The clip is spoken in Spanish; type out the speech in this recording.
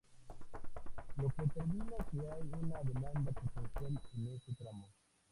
Lo que determina que hay una demanda potencial en ese tramo.